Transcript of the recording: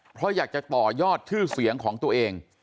เพราะอยากจะต่อยอดชื่อเสียงของตัวเอง